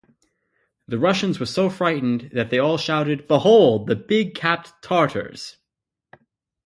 The Russians were so frightened that they all shouted: 'Behold, the big-capped Tartars!